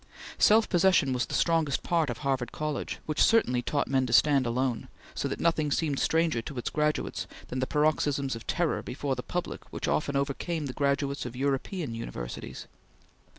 Self possession was the strongest part of Harvard College, which certainly taught men to stand alone, so that nothing seemed stranger to its graduates than the paroxysms of terror before the public which often overcame the graduates of European universities.